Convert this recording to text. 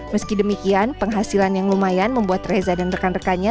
meski demikian penghasilan yang lumayan membuat reza dan rekan rekannya